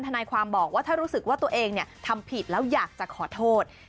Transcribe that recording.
นายความบอกว่าถ้ารู้สึกว่าตัวเองทำผิดแล้วอยากจะขอโทษ